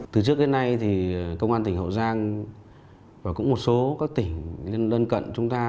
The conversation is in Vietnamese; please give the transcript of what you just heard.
từ trước đến nay thì công an tỉnh hậu giang và cũng một số các tỉnh lên cận chúng ta